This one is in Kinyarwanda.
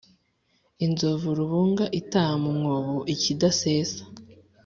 Inzovu rubunga itaha mu mwobo-Ikidasesa.